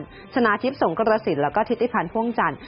คุณชนะทิพย์สงกรสินแล้วก็ทิติพันธ์พ่วงจันท